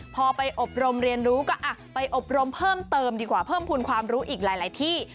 พอไปอบรมเรียนรู้ก็ไปอบรมเพิ่มเติมดีกว่าเพิ่มภูมิความรู้อีกหลายที่